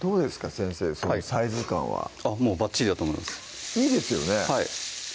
先生そのサイズ感はもうばっちりだと思いますいいですよね